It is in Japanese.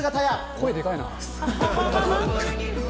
声、でかいな。